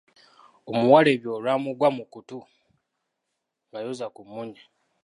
Omuwala ebyo olwamugwa mu kutu ng’ayoza ku mmunye.